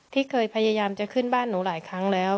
ที่เคยพยายามจะขึ้นบ้านหนูหลายครั้งแล้ว